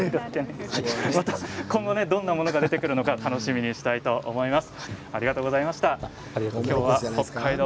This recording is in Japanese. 今後どんなものが出てくるか楽しみにしたいと思います。